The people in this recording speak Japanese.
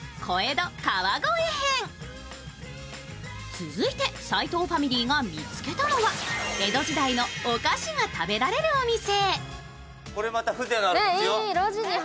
続いて斎藤ファミリーが見つけたのが江戸時代のお菓子が食べられるお店。